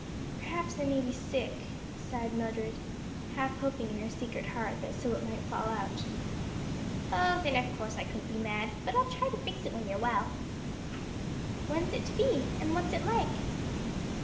"Perhaps I may be sick," sighed Mildred, half hoping in her secret heart that so it might fall out. "Oh, then of course I couldn't be mad; but I'll try to fix it when you're well." "When is it to be? and what is it like?"